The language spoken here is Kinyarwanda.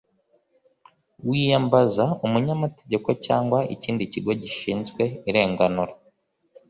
wi yambaza umunyamategeko cyangwa ikindi kigo gishinzwe irenganura